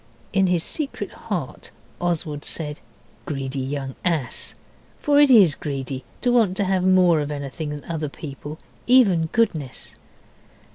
In his secret heart Oswald said, 'Greedy young ass.' For it IS greedy to want to have more of anything than other people, even goodness.